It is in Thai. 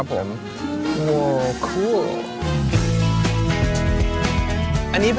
สวัสดีค่ะสวัสดีค่ะ